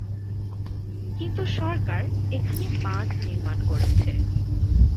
কিন্তু সরকার এখানে বাঁধ নির্মাণ করেছে।